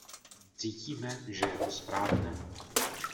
Cítíme, že je to správné.